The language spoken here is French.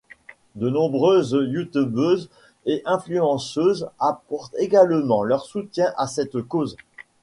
De nombreuses youtubeuses et influenceuses apportent également leur soutien à cette cause.